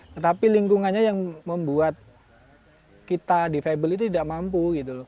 tetapi lingkungannya yang membuat kita defable itu tidak mampu